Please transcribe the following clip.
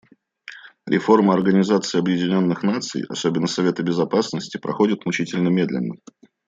Реформа Организации Объединенных Наций, особенно Совета Безопасности, проходит мучительно медленно.